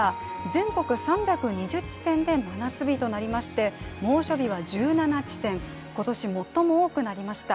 全国３２０地点で真夏日となりまして猛暑日は１７地点、今年最も多くなりました。